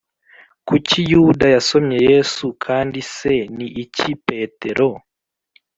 Kuki yuda yasomye yesu kandi se ni iki petero